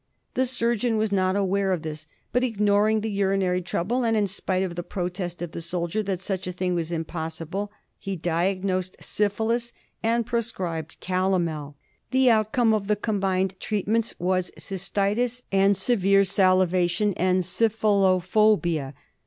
The surgeon was not aware of this ; but ignoring the urinary trouble, and in spite of the protest of the soldier that such a thing was impossible, he diagnosed syphilis and prescribed calomel. The outcome FILARIASIS. 63 of the combined treatments was cystitis and severe saliva tion and syphilophobia.